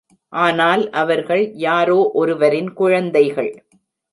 ஆனால் அவர்கள் யாரோ ஒருவரின் குழந்தைகள்.